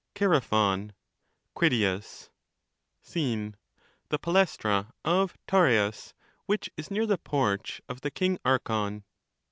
Chabsephon. Cbitias* Scenb: — The Palaestra of Taureas, which is near the Porch of the King Archon.